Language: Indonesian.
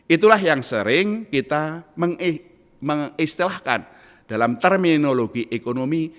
itulah yang sering kita mengistilahkan dalam terminologi ekonomi